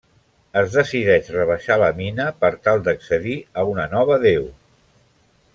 Es decideix rebaixar la mina per tal d'accedir a una nova deu.